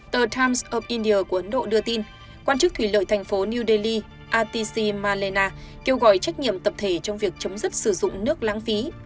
tờ times of india của ấn độ đưa tin quan chức thủy lợi thành phố new delhi atish malena kêu gọi trách nhiệm tập thể trong việc chấm dứt sử dụng nước lãng phí